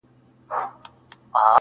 د غریب مُلا آذان ته کله چا وو غوږ نیولی٫